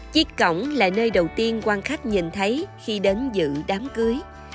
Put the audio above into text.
chiếc cổng là nơi đầu tiên quan khách nhìn thấy khi đến dự đám cưới